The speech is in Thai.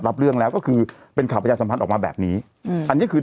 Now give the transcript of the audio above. รับเรื่องแล้วก็คือเป็นข่าวประชาสัมพันธ์ออกมาแบบนี้อืมอันนี้คือ